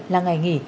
là ngày nghỉ